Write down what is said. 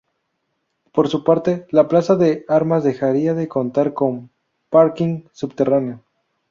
Por su parte, la plaza de Armas dejaría de contar con parking subterráneo.